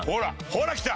ほらきた！